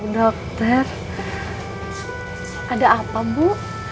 dokter ada apa bu